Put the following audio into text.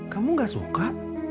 kamu gak suka